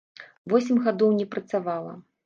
Восем гадоў не працавала.